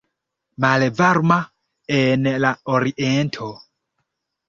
Malvarma en la oriento.